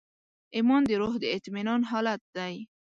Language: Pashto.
ایمان د روح د اطمینان حالت دی.